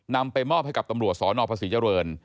นำไปมอบให้กับตำรวจสนภาษีเจริญ